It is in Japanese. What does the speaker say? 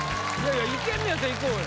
いけんねやったらいこうよ・